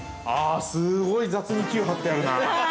◆すごい雑にＱ貼ってあるな。